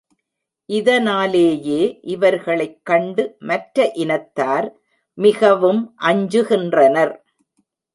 இதனாலேயே இவர்களைக் கண்டு மற்ற இனத்தார் மிகவும் அஞ்சுகின்றனர்.